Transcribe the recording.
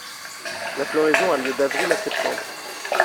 La floraison a lieu d'avril à septembre.